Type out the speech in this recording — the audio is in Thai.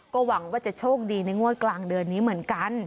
ก็หวังว่าจะโชคดีในงวดกลางเดือนนี้เหมือนกัน